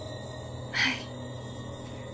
はい。